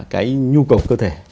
cái nhu cầu cơ thể